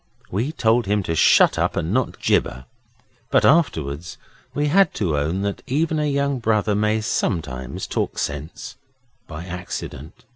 We told him to shut up and not gibber, but afterwards we had to own that even a young brother may sometimes talk sense by accident.